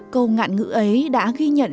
câu ngạn ngữ ấy đã ghi nhận